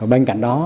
bên cạnh đó